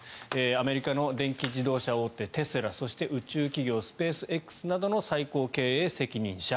アメリカの電気自動車大手テスラそして宇宙企業スペースＸなどの最高経営責任者。